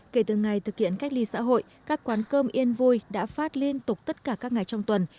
kể từ ngày thực hiện cách ly xã hội các quán cơm yên vui đã phát liên tục tất cả các ngày trong tuần